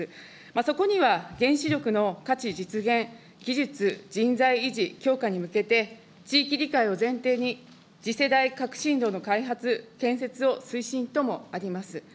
そこには原子力の価値実現、技術、人材維持強化に向けて、地域理解を前提に次世代革新炉の開発、建設を推進ともあります。